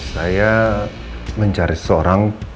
saya mencari seorang